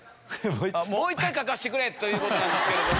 もう１回書かせてくれということなんですけれども。